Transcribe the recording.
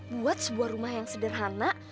buat sebuah rumah yang sederhana